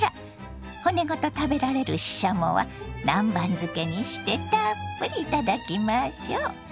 骨ごと食べられるししゃもは南蛮漬けにしてたっぷりいただきましょ。